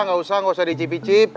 nggak usah nggak usah dicicipi cip